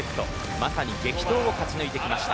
まさに激闘を勝ち抜いてきました。